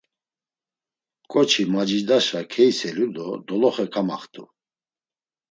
Ǩoçi macidaşa keiselu do doloxe kamaxt̆u.